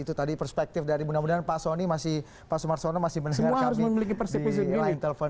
itu tadi perspektif dari mudah mudahan pak sumar sonno masih mendengar kami di line telepon